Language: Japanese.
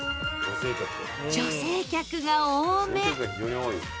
女性客が多め